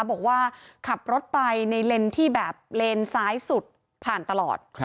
บอกว่าขับรถไปในเลนส์ที่แบบเลนซ้ายสุดผ่านตลอด